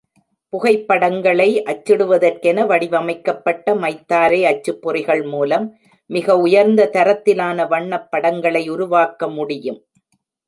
புகைப்படங்களை அச்சிடுவதற்கென வடிவமைக்கப்பட்ட மைத்தாரை அச்சுப்பொறிகள் மூலம், மிக உயர்ந்த தரத்திலான வண்ணப் படங்களை உருவாக்க முடியும்.